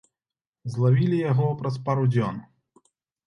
Злавілі яго праз пару дзён.